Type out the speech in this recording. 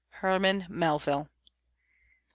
HERMAN MELVILLE.